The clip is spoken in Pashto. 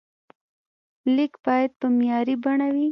لیک باید په معیاري بڼه وي.